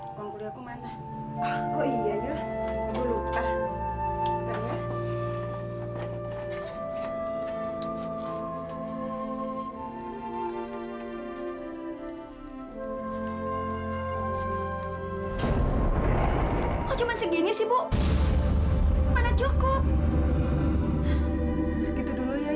sampai jumpa di video selanjutnya